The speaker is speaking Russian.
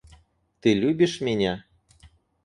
Ты любишь меня?